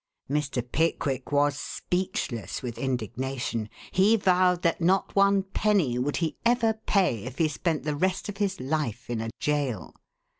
Mr. Pickwick was speechless with indignation. He vowed that not one penny would he ever pay if he spent the rest of his life in a jail.